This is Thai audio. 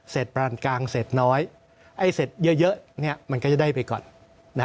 เศษปรานกลางเศษน้อยไอ้เศษเยอะเนี่ยมันก็จะได้ไปก่อน